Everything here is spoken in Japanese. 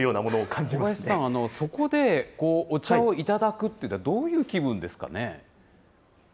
小林さん、そこでお茶を頂くっていうのは、どういう気分です